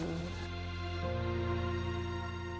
untuk berburu dan segala macam